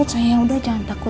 pak al udah punya istri